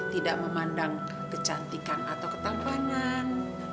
tidak memandang kecantikan atau ketampanan